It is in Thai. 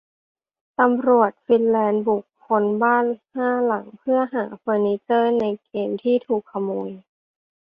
ตำรวจฟินแลนด์บุกค้นบ้านห้าหลังเพื่อหาเฟอร์นิเจอร์ในเกมที่ถูกขโมย